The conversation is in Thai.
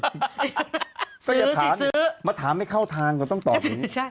ก็อย่าถามมาถามให้เข้าทางก็ต้องตอบอย่างนี้